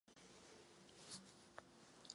Sergio v panice uprchne a skočí z mostu do Seiny.